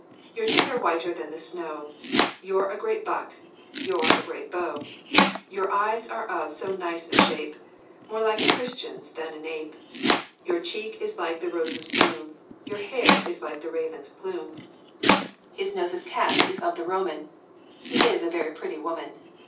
Your teeth are whiter than the snow; Your a great buck, your a great beau; Your eyes are of so nice a shape, More like a Christian's than an ape; Your cheek is like the rose's blume; Your hair is like the raven's plume; His nose's cast is of the Roman: He is a very pretty woman.